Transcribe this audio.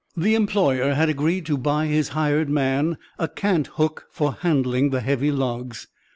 The employer had agreed to buy his hired man a cant hook for handling the heavy logs.